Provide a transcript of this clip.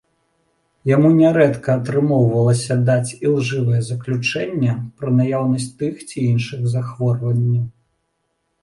Яму нярэдка атрымоўвалася даць ілжывае заключэнне пра наяўнасць тых ці іншых захворванняў.